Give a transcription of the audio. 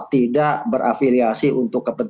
tidak berafiliasi untuk